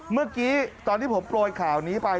เมื่อกี้ตอนที่ผมโปรยข่าวนี้ไป